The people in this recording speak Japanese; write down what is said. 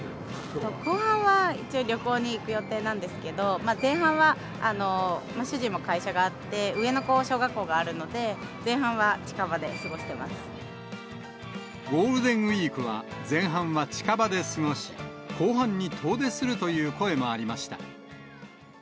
後半は一応、旅行に行く予定なんですけど、前半は主人も会社があって、上の子も小学校があるゴールデンウィークは前半は近場で過ごし、後半に遠出するという声もありました。